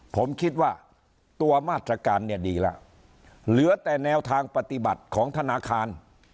ผมคิดว่าตัวมาตรการเนี่ยดีแล้วเหลือแต่แนวทางปฏิบัติของธนาคาร